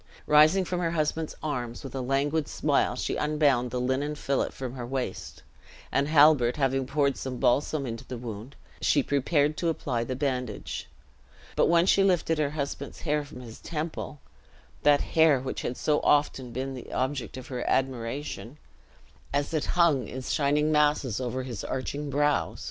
Rising from her husband's arms, with a languid smile she unbound the linen fillet from her waist; and Halbert having poured some balsam into the wound, she prepared to apply the bandage; but when she lifted her husband's hair from his temple that hair which had so often been the object of her admiration, as it hung in shining masses over his arching brows!